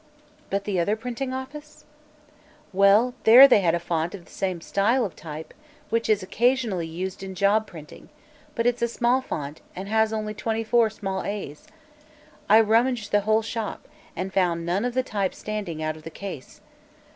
"But the other printing office?" "Well, there they had a font of the same style of type, which is occasionally used in job printing; but it's a small font and has only twenty four small a's. I rummaged the whole shop, and found none of the type standing, out of the case.